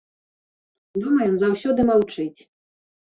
Дома ён заўсёды маўчыць.